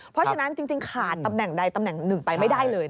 เพราะฉะนั้นจริงขาดตำแหน่งใดตำแหน่งหนึ่งไปไม่ได้เลย